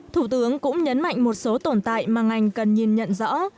thủ tướng cũng nhấn mạnh một số tồn tại mà ngành cần nhìn nhận rõ